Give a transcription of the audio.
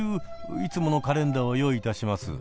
いつものカレンダーを用意いたします。